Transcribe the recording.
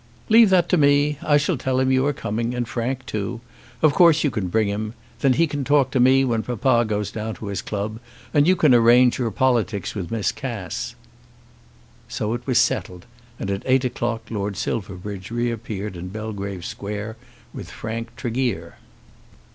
"Leave that to me. I shall tell him you are coming, and Frank too. Of course you can bring him. Then he can talk to me when papa goes down to his club, and you can arrange your politics with Miss Cass." So it was settled, and at eight o'clock Lord Silverbridge reappeared in Belgrave Square with Frank Tregear.